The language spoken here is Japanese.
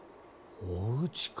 おうちか。